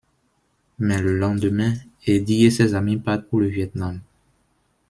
Mais le lendemain, Eddie et ses amis partent pour le Viêt Nam...